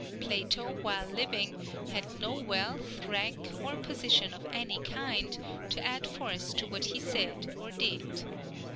Plato, while living, had no wealth, rank, or position of any kind, to add force to what he said or did.